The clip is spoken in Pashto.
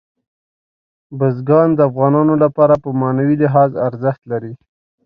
بزګان د افغانانو لپاره په معنوي لحاظ ارزښت لري.